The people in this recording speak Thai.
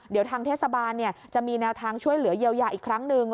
เดี๋ยวทางเทศบาลจะมีแนวทางช่วยเหลือเยียวยาอีกครั้งหนึ่ง